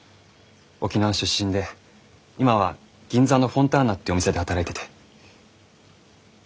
沖縄出身で今は銀座のフォンターナっていうお店で働いてて。